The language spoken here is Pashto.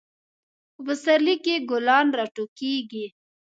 په پسرلی کې ګلان راټوکیږي.